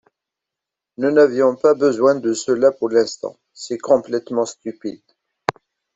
Nous n'avions pas besoin de cela pour l'instant, c'est complètement stupide.